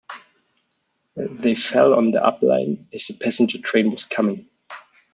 They fell on the up line as the passenger train was coming.